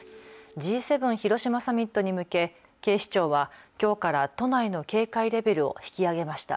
Ｇ７広島サミットに向け警視庁は、きょうから都内の警戒レベルを引き上げました。